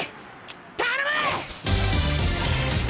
頼む！